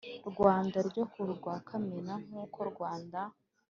Rwanda ryo kuwa Kamena nk uko Rwanda